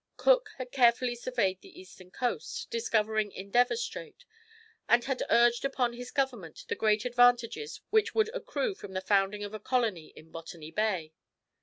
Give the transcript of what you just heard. Cook had carefully surveyed the eastern coast, discovering Endeavour Strait, and had urged upon his government the great advantages which would accrue from the founding of a colony in Botany Bay.